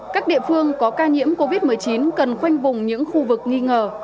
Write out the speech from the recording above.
các địa phương có ca nhiễm covid một mươi chín cần khoanh vùng những khu vực nghi ngờ